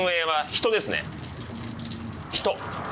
人。